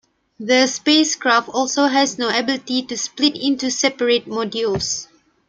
The spacecraft also has no ability to split into separate modules.